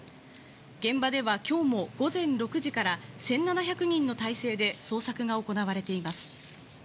現場では今日も午前６時から１７００人の態勢で捜索が行われています。